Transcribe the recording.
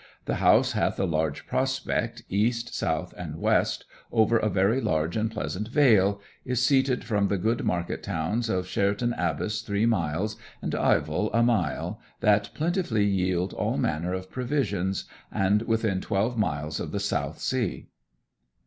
The house hath a large prospect east, south, and west, over a very large and pleasant vale ... is seated from the good markett towns of Sherton Abbas three miles, and Ivel a mile, that plentifully yield all manner of provision; and within twelve miles of the south sea.'